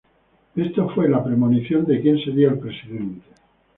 Esto fue la premonición de quien seria el presidente.